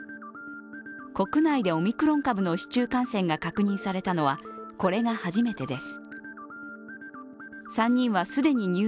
国内でオミクロン株の市中感染が確認されたのはこれが初めてです。